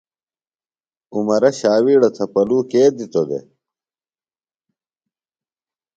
عمرہ شاویڑہ تھےۡ پلو کے دِتو دےۡ؟